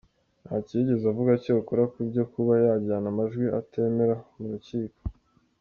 Ntacyo yigeze avuga cyakora ku byo kuba yajyana amajwi atemera mu rukiko.